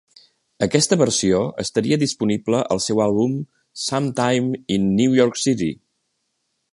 Aquesta versió estaria disponible al seu àlbum "Some Time in New York City".